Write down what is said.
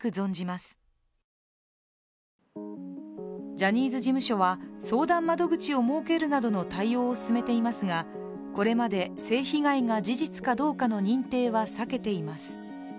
ジャニーズ事務所は相談窓口を設けるなどの対応を進めていますが、これまで性被害が事実かどうかの認定は避けています。